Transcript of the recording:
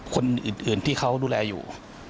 คนอื่นที่เขาดูแลอยู่